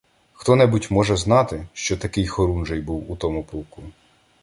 Хто-небудь може знати, що такий хорунжий був у тому полку.